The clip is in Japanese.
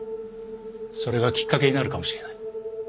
それがきっかけになるかもしれない。